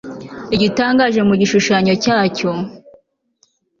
igitangaje mu gishushanyo cyacyo